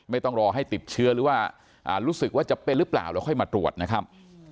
ต้องรอให้ติดเชื้อหรือว่ารู้สึกว่าจะเป็นหรือเปล่าแล้วค่อยมาตรวจนะครับ